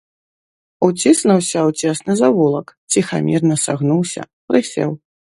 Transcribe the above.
Уціснуўся ў цесны завулак, ціхамірна сагнуўся, прысеў.